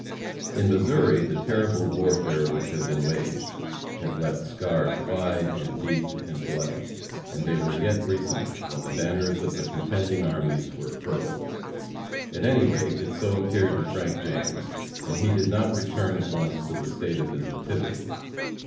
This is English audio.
In Missouri, the terrible warfare which had been waged had left scars wide and deep and bloody, and they were yet recent when the banners of the contending armies were furled. At any rate, it so appeared to Frank James, and he did not return at once to the State of his nativity.